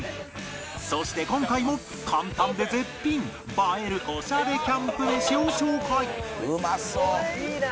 そして今回も簡単で絶品映えるおしゃれキャンプ飯を紹介